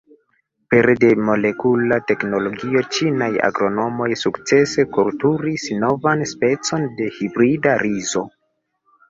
Pere de molekula teknologio ĉinaj agronomoj sukcese kulturis novan specon de hibrida rizo.